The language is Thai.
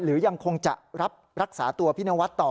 หรือยังคงจะรับรักษาตัวพี่นวัดต่อ